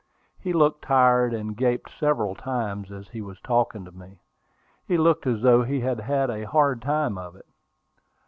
He looked tired, and gaped several times as he was talking to me. He looked as though he had had a hard time of it.